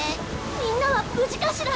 みんなは無事かしら。